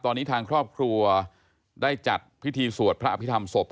ตอนนี้ทางครอบครัวได้จัดพิธีสวดพระอภิษฐรรมศพ